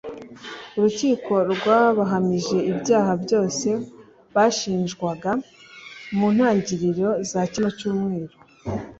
Urukiko rwabahamije ibyaha byose bashinjwaga mu ntangiriro za kino cyumweru